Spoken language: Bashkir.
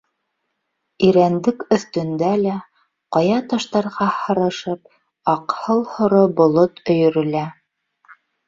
Ирәндек өҫтөндә лә, ҡая таштарға һырышып, аҡһыл һоро болот өйөрөлә.